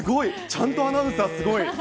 ちゃんとアナウンサー、すごい。